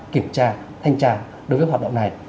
kiểm tra thanh tra đối với hoạt động này